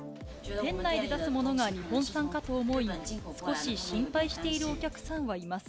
店内で出すものが日本産かと思い、少し心配しているお客さんはいます。